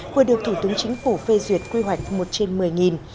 vừa được thủ tướng chính phủ phê duyệt quy hoạch một trên một mươi